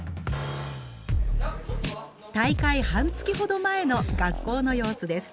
大会半月ほど前の学校の様子です。